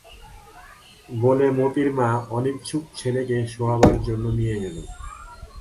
বলে মোতির মা অনিচ্ছুক ছেলেকে শোয়াবার জন্যে নিয়ে গেল।